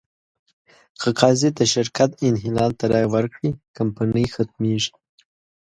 که قاضي د شرکت انحلال ته رایه ورکړي، کمپنۍ ختمېږي.